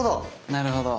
なるほど。